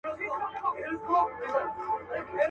دهقان ولاړی په زاریو د مار کور ته.